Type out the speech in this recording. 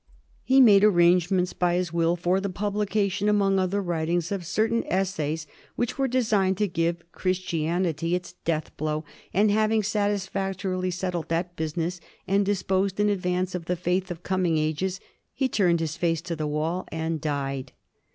He made arrange ments by his will for the publication, among other writings, of certain essays which were designed to give Christianity its death blow, and, having satisfactorily settled that busi ness and disposed in advance of the faith of coming ages, he turned his face to the wall and died.